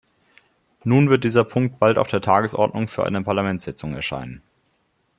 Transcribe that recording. Nun wird dieser Punkt bald auf der Tagesordnung für eine Parlamentssitzung erscheinen.